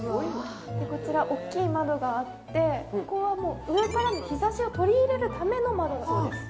こちら大きい窓があってここは上からの日ざしを取り入れるための窓です。